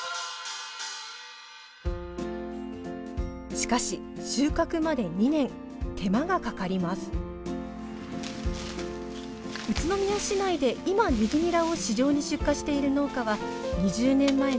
しかし収穫まで２年手間がかかります宇都宮市内で今ねぎにらを市場に出荷している農家は２０年前の１割。